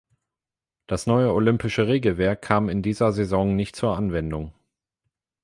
Das neue olympische Regelwerk kam in dieser Saison nicht zur Anwendung.